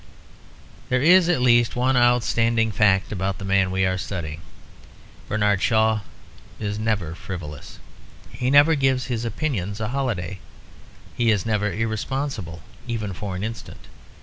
There is at least one outstanding fact about the man we are studying; Bernard Shaw is never frivolous. He never gives his opinions a holiday; he is never irresponsible even for an instant.